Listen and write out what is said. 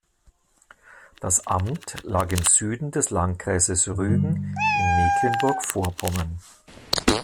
Das Amt lag im Süden des Landkreises Rügen in Mecklenburg-Vorpommern.